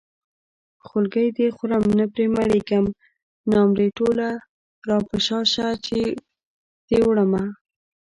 خولګۍ دې خورم نه پرې مړېږم نامرې ټوله راپشا شه چې دې وړمه